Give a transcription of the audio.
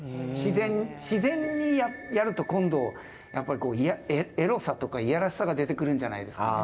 自然にやると今度やっぱりエロさとかいやらしさが出てくるんじゃないですかね